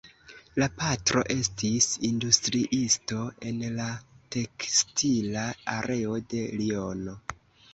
La patro estis industriisto en la tekstila areo de Liono.